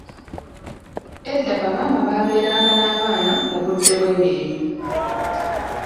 Edda ba maama babeeranga n'abaana mu budde obw’emirimu.